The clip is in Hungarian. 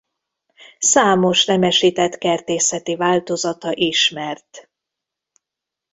Számos nemesített kertészeti változata ismert.